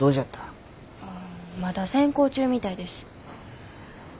あまだ選考中みたいです。